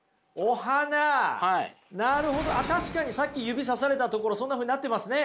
なるほど確かにさっき指さされた所そんなふうになってますね。